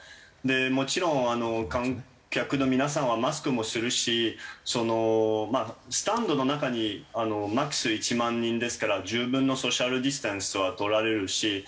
もちろん観客の皆さんはマスクもするしそのまあスタンドの中にマックス１万人ですから十分のソーシャルディスタンスは取られるし。